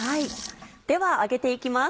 では揚げて行きます。